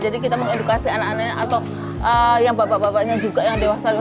jadi kita mengedukasi anak anaknya atau yang bapak bapaknya juga yang dewasa